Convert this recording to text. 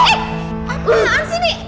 eh apaan sih ini